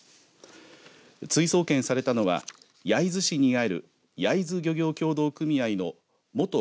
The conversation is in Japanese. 追送検されたのは焼津市にある焼津漁業協同組合の元